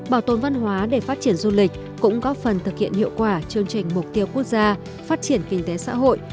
bảo tồn văn hóa để phát triển du lịch cũng góp phần thực hiện hiệu quả chương trình mục tiêu quốc gia phát triển kinh tế xã hội